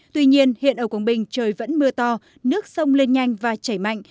tuy nhiên hiện ở quảng bình trời vẫn mưa to nước sông lên nhanh và chảy mạnh